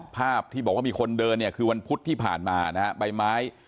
ภาพที่บอกว่ามีคนเดินเนี่ยคือวันพุธที่ผ่านมานะฮะใบไม้